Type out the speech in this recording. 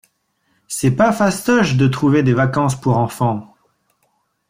C'est pas fastoche de trouver des vacances pour enfants.